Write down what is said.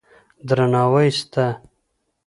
درناوی سته.